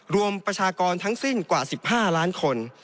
ประชากรทั้งสิ้นกว่า๑๕ล้านคน